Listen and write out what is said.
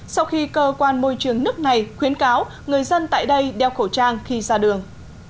sau khi cơ quan môi trường nước này khuyến cáo người dân tại đây đeo khẩu trang khi ra đường